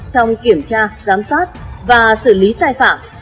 trong kiểm tra giám sát và xử lý sai phạm